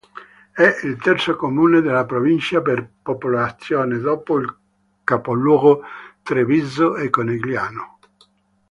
È il terzo comune della provincia per popolazione dopo il capoluogo Treviso e Conegliano.